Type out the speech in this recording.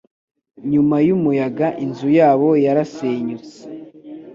Nyuma yumuyaga, inzu yabo yarasenyutse.